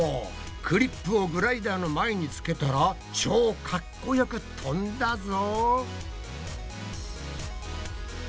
クリップをグライダーの前につけたら超かっこよく飛んだぞ！